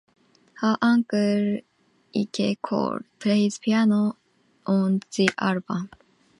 Her uncle Ike Cole plays piano on the album.